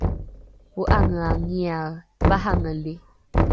o’ange’angiae varangeli